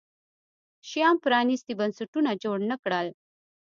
شیام پرانیستي بنسټونه جوړ نه کړل.